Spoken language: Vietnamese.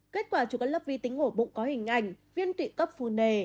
kết quả chủ cân lấp vi tính ngổ bụng có hình ảnh viêm tụy cấp phù nề